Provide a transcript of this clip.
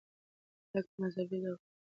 هلک په ناڅاپي ډول د انا په غېږ کې ولوېد.